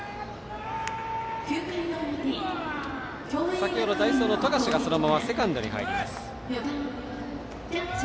先程、代走の冨樫がそのままセカンドに入ります。